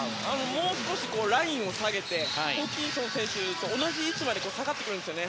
もう少しラインを下げてホーキンソン選手と同じ位置まで下がってくるんですよね。